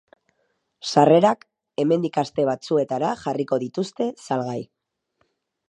Sarrerak hemendik aste batzuetara jarriko dituzte salgai.